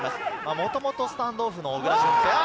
もともとスタンドオフの小倉です。